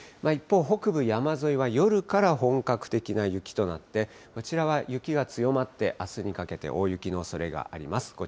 一方、北部山沿いは、夜から本格的な雪となって、こちらは雪が強まって、あすにかけて大雪のおそれがあります。